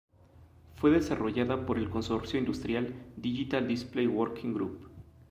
Fue desarrollada por el consorcio industrial "Digital Display Working Group".